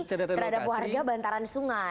terhadap warga bantaran sungai